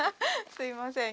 すいません。